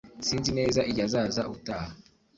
Sinzi neza igihe azaza ubutaha